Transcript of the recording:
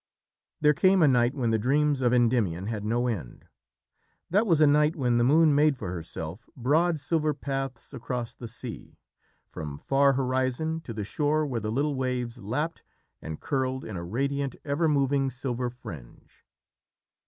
There came a night when the dreams of Endymion had no end. That was a night when the moon made for herself broad silver paths across the sea, from far horizon to the shore where the little waves lapped and curled in a radiant, ever moving silver fringe.